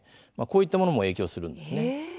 こういったものも影響するんです。